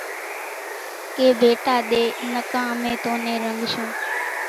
ڪي ڀيٽا ۮي نڪان امين تون نين رنڳشون